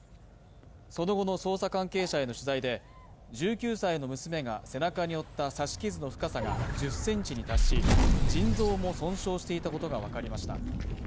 その後の捜査関係者への取材で１９歳の娘が背中に負った刺し傷の深さが１０ｃｍに達し、腎臓も損傷していたことが分かりました。